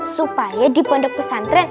supaya di pondok pesantren